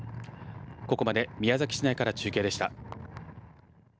ここまで宮崎市内から中継でした。